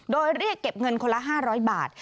โดยเรียกเก็บเงินคนละ๕๐๐บาท